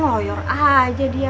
ngoyor aja dia